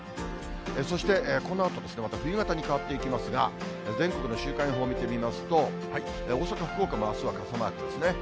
そしてこのあとまた、冬型に変わっていきますが、全国の週間予報見てみますと、大阪、福岡もあすは傘マークですね。